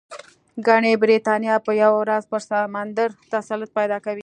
ګنې برېټانیا به یوه ورځ پر سمندر تسلط پیدا کوي.